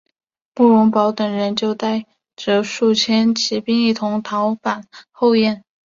慕容宝等人就带着数千骑兵一同逃返后燕。